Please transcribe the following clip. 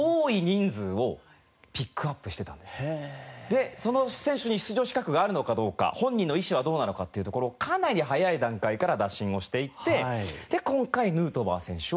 でその選手に出場資格があるのかどうか本人の意思はどうなのかっていうところをかなり早い段階から打診をしていて今回ヌートバー選手を選んだ。